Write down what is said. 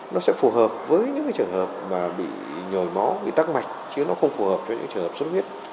nó sẽ phù hợp với những trường hợp mà bị nhồi máu bị tắc mạch chứ nó không phù hợp với những trường hợp xuất huyết